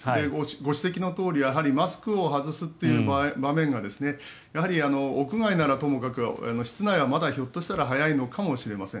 ご指摘のとおりマスクを外すという場面がやはり屋外ならともかく室内はまだひょっとしたら早いのかもしれません。